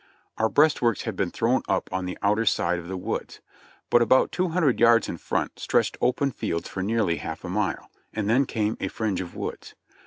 Our breastworks had been thrown up on the outer side of the woods ; but about two hundred yards in front stretched open fields for nearly half a mile, and then came a fringe of woods.